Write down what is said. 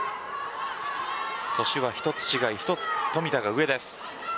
年は１つ違い１つ冨田が上です。